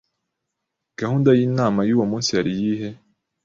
Gahunda y’inama y’uwo munsi yari iyihe?